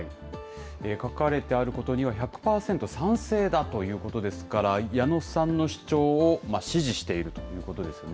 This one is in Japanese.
書かれてあることには１００％賛成だということですから、矢野さんの主張を支持しているということですね。